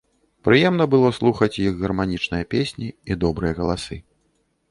Прыемна было слухаць іх гарманічныя песні і добрыя галасы.